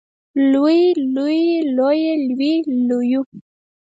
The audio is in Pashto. لوی لویې لويه لوې لويو